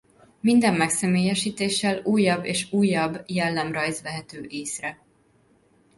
Minden megszemélyesítéssel újabb és újabb jellemrajz vehető észre.